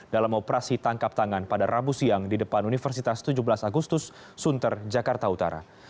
dalam operasi tangkap tangan pada rabu siang di depan universitas tujuh belas agustus sunter jakarta utara